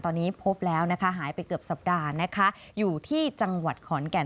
ตอนนี้พบแล้วนะคะหายไปเกือบสัปดาห์นะคะอยู่ที่จังหวัดขอนแก่น